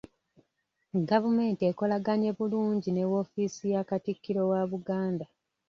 Gavumenti ekolaganye bulungi ne woofiisi ya Katikkiro wa Buganda.